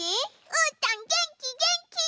うーたんげんきげんき！